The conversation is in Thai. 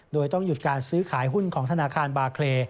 โดยต้องหยุดการซื้อขายหุ้นของธนาคารบาเล